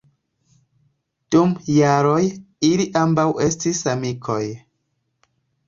Dum jaroj ili ambaŭ estis amikoj.